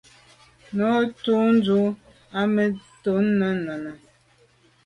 Nu dun tu i me dut nène.